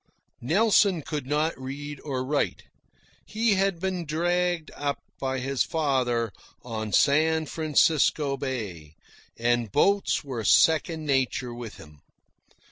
Nelson could not read or write. He had been "dragged" up by his father on San Francisco Bay, and boats were second nature with him.